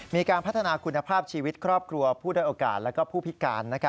มีการพัฒนาคุณภาพชีวิตครอบครัวผู้ด้วยโอกาสและผู้พิการ